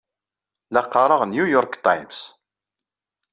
La qqareɣ New York Times.